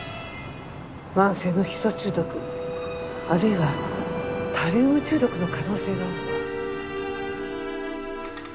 慢性のヒ素中毒あるいはタリウム中毒の可能性があるわ。